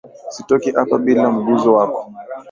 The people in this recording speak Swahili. Sitoki hapa bila mguso wako.